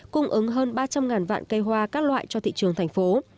cung ứng hơn ba trăm linh vạn cây hoa các loại cho thị trường thành phố